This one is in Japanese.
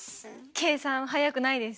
計算は速くないです。